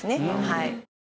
はい。